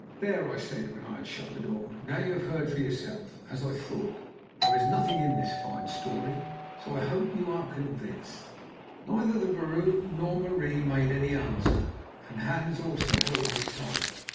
"There," I said when I had shut the door, "now you have heard for yourselves. As I thought, there is nothing in this fine story, so I hope you are convinced." Neither the vrouw nor Marie made any answer, and Hans also held his tongue.